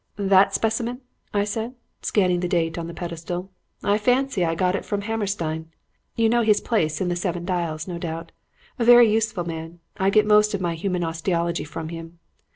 "'That specimen?' I said, scanning the date on the pedestal; 'I fancy I got it from Hammerstein. You know his place in the Seven Dials, no doubt. A very useful man. I get most of my human osteology from him.'